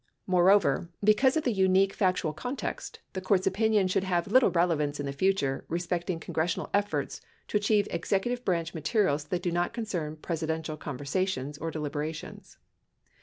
Moreover, because of the unique factual context, the court's opinion should have little relevance in the future respecting congressional efforts to achieve executive branch materials that do not concern Presidential conver sations or deliberations.